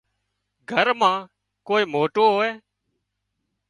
گھر مان ڪوئي موٽو هوئي